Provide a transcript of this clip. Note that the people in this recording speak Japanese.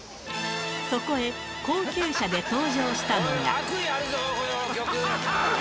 そこへ、高級車で登場したのが。